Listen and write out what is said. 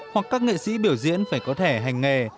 hoặc các nghệ sĩ biểu diễn phải có thẻ hành nghề